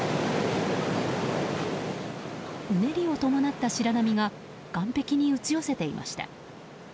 うねりを伴った白波が岸壁に打ち寄せていました。